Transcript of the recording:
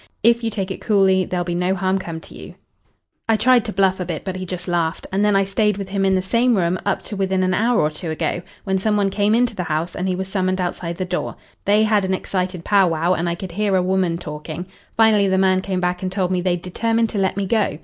If you take it coolly there'll be no harm come to you.' "I tried to bluff a bit, but he just laughed. And then I stayed with him in the same room up to within an hour or two ago, when some one came into the house and he was summoned outside the door. They had an excited pow wow, and I could hear a woman talking. Finally, the man came back and told me they'd determined to let me go.